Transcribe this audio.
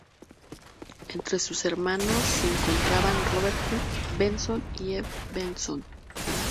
Entre sus hermanos se encontraban Robert Hugh Benson y E. F. Benson.